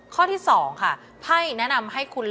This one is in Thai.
ข้อที่๒ค่ะไพ่แนะนำให้คุณ